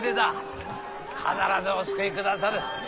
必ずお救いくださる。